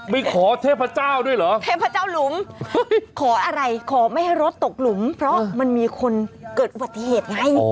ไม่ขอเทพเจ้าด้วยเหรอเทพเจ้าหลุมขออะไรขอไม่ให้รถตกหลุมเพราะมันมีคนเกิดอุบัติเหตุไง